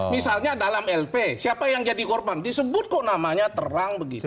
misalnya dalam lp siapa yang jadi korban disebut kok namanya terang begitu